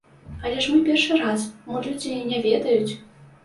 Але ж мы першы раз, мо людзі не ведаюць.